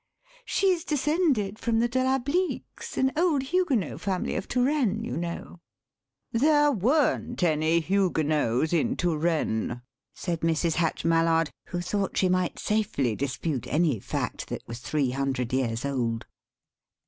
"She's descended from the de la Bliques, an old Huguenot family of Touraine, you know." "There weren't any Huguenots in Touraine," said Mrs. Hatch Mallard, who thought she might safely dispute any fact that was three hundred years old.